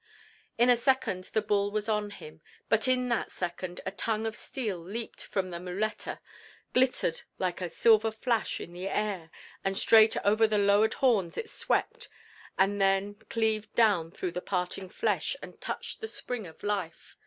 In a second the bull was on him, but in that second a tongue of steel leaped from the muleta, glittered like a silver flash in the air, and straight over the lowered horns it swept and then cleaved down through the parting flesh and touched the spring of life.